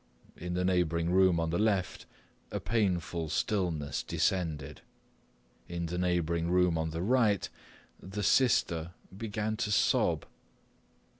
In the neighbouring room on the left a painful stillness descended. In the neighbouring room on the right the sister began to sob.